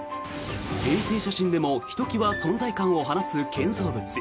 衛星写真でもひときわ存在感を放つ建造物